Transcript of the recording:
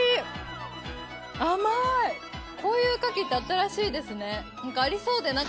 こういう柿って新しいですね。